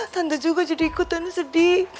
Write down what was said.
tante juga jadi ikut tante sedih